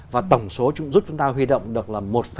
và tổng số giúp chúng ta huy động được là